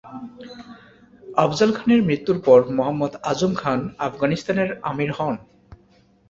আফজাল খানের মৃত্যুর পর মুহাম্মদ আজম খান আফগানিস্তানের আমির হন।